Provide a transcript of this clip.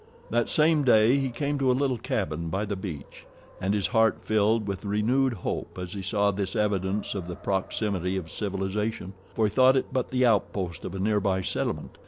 That same day he came to a little cabin by the beach, and his heart filled with renewed hope as he saw this evidence of the proximity of civilization, for he thought it but the outpost of a nearby settlement.